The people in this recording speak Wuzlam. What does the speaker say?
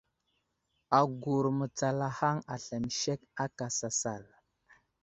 Agur mətsalahaŋ aslam sek aka sasal.